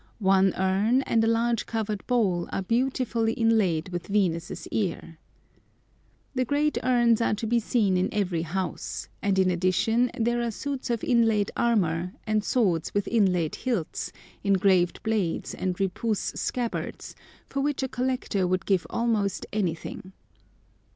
One urn and a large covered bowl are beautifully inlaid with Venus' ear. The great urns are to be seen in every house, and in addition there are suits of inlaid armour, and swords with inlaid hilts, engraved blades, and répoussé scabbards, for which a collector would give almost anything.